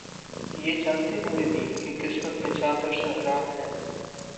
یہ جانتے ہوئے بھی، کہ قسمت میں چادر صحرا ہے